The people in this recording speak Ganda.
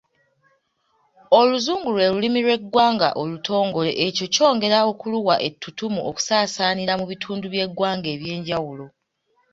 Oluzungu lwe lulimi lwe ggwanga olutongole ekyo kyongera okuluwa ettuttumu okusaasaanira mu bitundu by'eggwanga eby'enjawulo.